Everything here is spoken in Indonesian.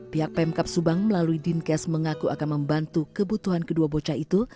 pihak pemkap subang melalui dinkes mengaku akan membantu kebutuhan kedua bocah itu